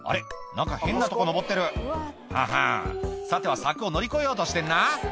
何か変なとこ上ってるははんさては柵を乗り越えようとしてんな